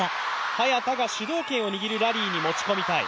早田が主導権を握るラリーにもちこみたい。